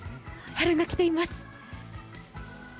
春が来ています。